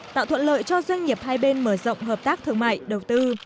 tạo thuận lợi cho doanh nghiệp hai bên mở rộng hợp tác thương mại đầu tư